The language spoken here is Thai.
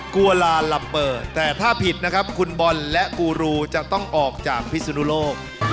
กลัวลาลัมเบอร์แต่ถ้าผิดนะครับคุณบอลและกูรูจะต้องออกจากพิสุนุโลก